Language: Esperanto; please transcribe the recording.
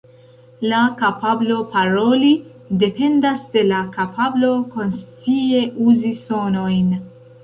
La kapablo paroli dependas de la kapablo konscie uzi sonojn.